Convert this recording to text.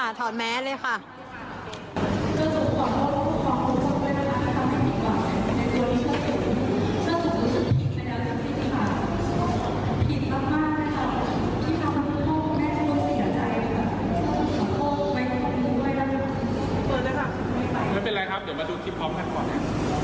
ไม่เป็นไรครับเดี๋ยวมาดูคลิปพร้อมกันก่อนครับ